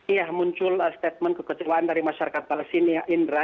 iya muncul statement kekecewaan dari masyarakat palestina indra